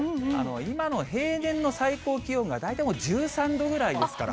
今の平年の最高気温が大体もう１３度ぐらいですから。